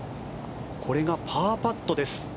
これがパーパットです。